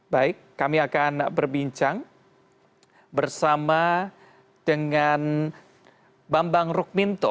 baik kami akan berbincang bersama dengan bambang rukminto